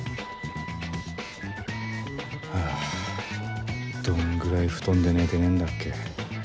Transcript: あぁどんぐらい布団で寝てねえんだっけ